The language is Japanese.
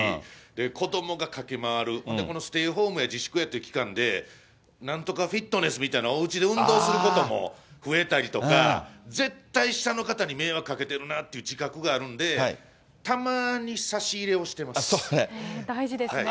子どもが駆け回る、このステイホームや自粛やという期間で、なんとかフィットネスみたいにおうちで運動することも増えたりとか、絶対、下の方に迷惑かけてるなっていう自覚があるんで、大事ですね。